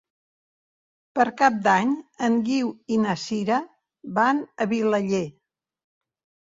Per Cap d'Any en Guiu i na Sira van a Vilaller.